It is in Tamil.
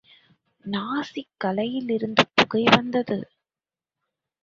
நாசிகளிலிருந்து புகை வந்தது.